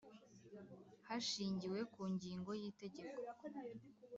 Hashingiwe ku ngingo y’Itegeko